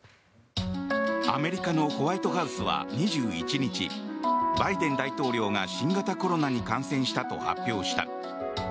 アメリカのホワイトハウスは２１日バイデン大統領が新型コロナに感染したと発表した。